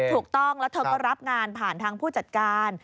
ถูกต้องแล้วเธอก็รับงานผ่านทางผู้จัดการ